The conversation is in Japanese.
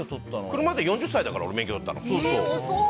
車４０歳だから免許取ったの。